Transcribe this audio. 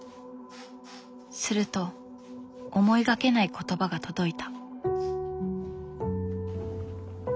すると思いがけない言葉が届いた。